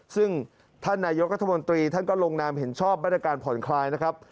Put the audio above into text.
ซึ่งท่านนายกรัฐมนตรีท่านก็ลงนามเห็นชอบมาตรการผ่อนคลายนะครับ